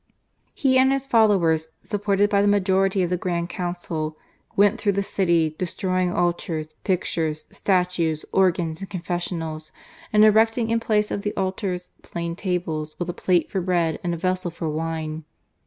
He and his followers, supported by the majority of the Grand Council, went through the city destroying altars, pictures, statues, organs, and confessionals, and erecting in place of the altars plain tables with a plate for bread and a vessel for wine.